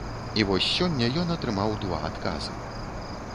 І вось сёння ён атрымаў два адказы.